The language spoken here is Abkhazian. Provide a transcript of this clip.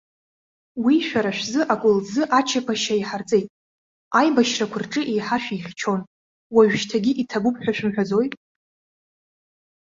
Уи, шәара шәзы акәылӡы ачаԥашьа иҳарҵеит. Аибашьрақәа рҿы еиҳа шәихьчон. Уажәшьҭагьы иҭабуп ҳәа шәымҳәаӡои?